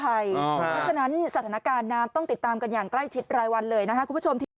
เพราะฉะนั้นสถานการณ์นามต้องติดตามกันอย่างใกล้ชิดรายวันเลยนะครับ